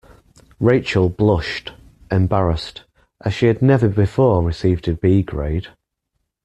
Rachel blushed, embarrassed, as she had never before received a B grade.